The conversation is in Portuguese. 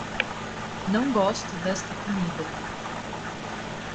Não gosto desta comida.